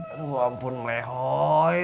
aduh ampun lehoi